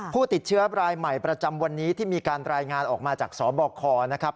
ผู้ติดเชื้อรายใหม่ประจำวันนี้ที่มีการรายงานออกมาจากสบคนะครับ